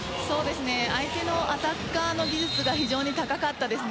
相手のアタッカーの技術が非常に高かったですね。